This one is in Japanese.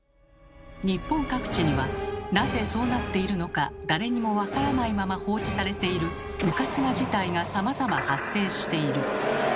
日本各地にはなぜそうなっているのか誰にもわからないまま放置されているうかつな事態がさまざま発生している。